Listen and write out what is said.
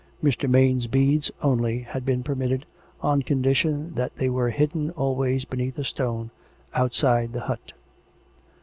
Mr. Maine's beads, only, had been permitted, on condition that they were hidden always beneath a stone outside the hut.